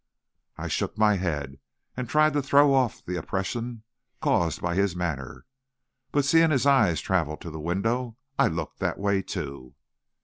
I shook my head, and tried to throw off the oppression caused by his manner. But seeing his eyes travel to the window, I looked that way too.